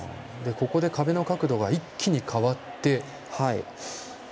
ここで壁の角度が一気に変わって。